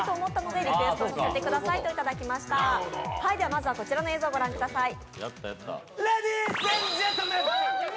まずはこちらの映像をご覧ください。